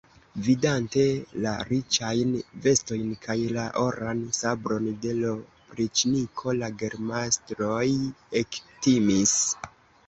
Vidante la riĉajn vestojn kaj la oran sabron de l' opriĉniko, la gemastroj ektimis.